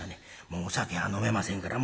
もうお酒は飲めませんから。